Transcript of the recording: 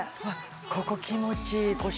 ここ気持ちいい腰